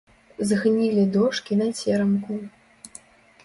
Згнілі дошкі на церамку.